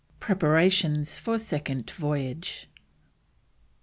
PREPARATIONS FOR SECOND VOYAGE.